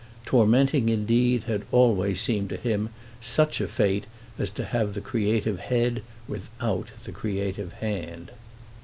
Tormenting indeed had always seemed to him such a fate as to have the creative head without the creative hand.